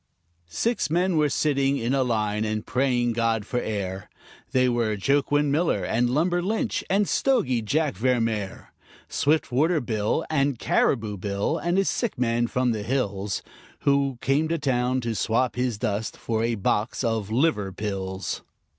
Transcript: Six men were sitting in a line and praying God for air; They were Joaquin Miller and "Lumber" Lynch and "Stogey" Jack Ver Mehr, "Swift water" Bill and "Caribou" Bill and a sick man from the hills, Who came to town to swap his dust for a box of liver pills.